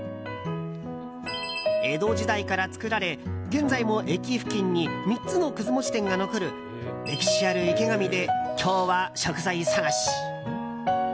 江戸時代から作られ、現在も駅付近に３つのくずもち店が残る歴史ある池上で今日は食材探し。